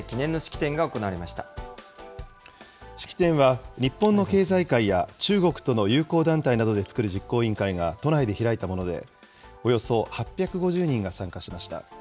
式典は日本の経済界や中国との友好団体などでつくる実行委員会が都内で開いたもので、およそ８５０人が参加しました。